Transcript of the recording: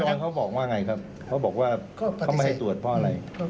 แล้วหมอย้อนเขาบอกว่าอย่างไรครับเขาบอกว่าเขาไม่ให้ตรวจเพราะอะไร